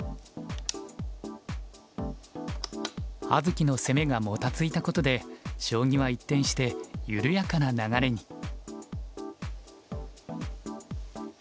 葉月の攻めがもたついたことで将棋は一転して緩やかな流れに。